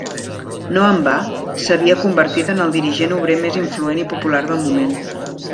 No en va, s'havia convertit en el dirigent obrer més influent i popular del moment.